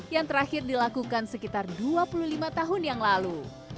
yang terakhir dilakukan sekitar dua puluh lima tahun yang lalu